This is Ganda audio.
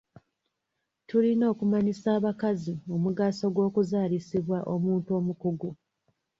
Tulina okumanyisa abakazi omugaso ogw'okuzaalisibwa omuntu omukugu.